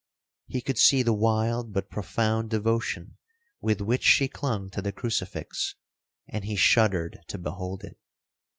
He could see the wild but profound devotion with which she clung to the crucifix,—and he shuddered to behold it.